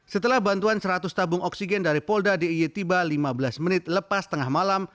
setelah bantuan seratus tabung oksigen dari polda d i e tiba lima belas menit lepas tengah malam